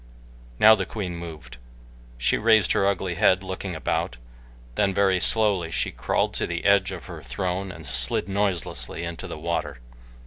Now the queen moved. She raised her ugly head, looking about; then very slowly she crawled to the edge of her throne and slid noiselessly into the water.